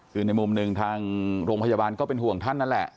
คือในมุมหนึ่งทางโรงพยาบาลก็เป็นห่วงท่านนั่นแหละ